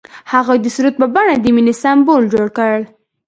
هغه د سرود په بڼه د مینې سمبول جوړ کړ.